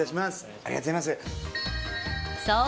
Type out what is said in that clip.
ありがとうございます